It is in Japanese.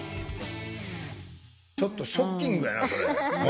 ちょっとショッキングやなそれ。